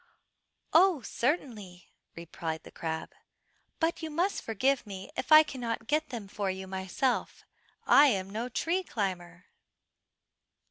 "Oh, certainly," replied the crab, "but you must forgive me if I cannot get them for you myself. I am no tree climber."